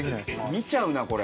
見ちゃうなこれ。